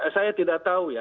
saya tidak tahu ya